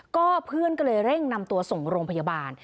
ก็เพื่อนก็เลยเร่งนำตัวส่งโรงพยาบาล